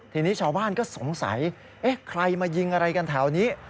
ทีนี้ชาวบ้านก็สงสัยเอ๊ะใครมายิงอะไรกันแถวนี้